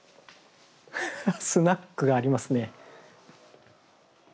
スナックがありますね。